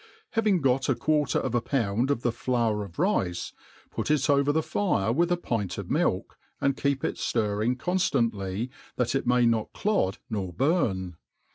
HAVING got a quarter of a pound of the flour of rice, ptit it over the fire with a pint of milk, and keep it (Urring coo ftantly, that it may not clod nor burn.